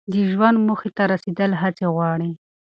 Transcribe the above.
د ژوند موخې ته رسیدل هڅې غواړي.